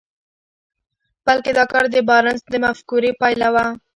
بلکې دا کار د بارنس د مفکورې پايله وه.